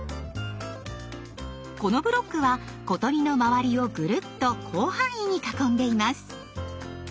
このブロックは小鳥の周りをぐるっと広範囲に囲んでいます。